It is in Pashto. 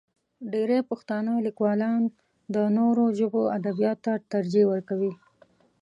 ډېری پښتانه لیکوالان د نورو ژبو ادبیاتو ته ترجیح ورکوي.